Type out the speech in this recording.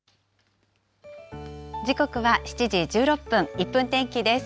時刻は７時１６分、１分天気です。